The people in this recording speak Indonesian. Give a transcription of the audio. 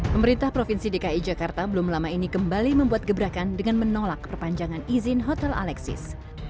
pemerintah provinsi dki jakarta belum lama ini kembali membuat gebrakan dengan menolak perpanjangan izin hotel alexis